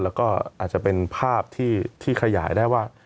แล้วก็อาจจะเป็นภาพที่ขยายได้ว่า